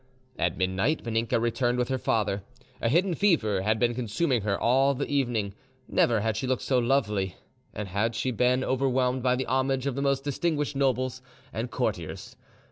At midnight Vaninka returned with her father. A hidden fever had been consuming her all the evening: never had she looked so lovely, and she had been overwhelmed by the homage of the most distinguished nobles and courtiers.